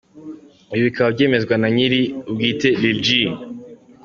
Ibi bikaba byemezwa na nyiri ubwite Lil G.